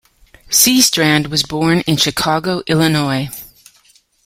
Seastrand was born in Chicago, Illinois.